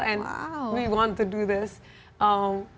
dan kita mau melakukan ini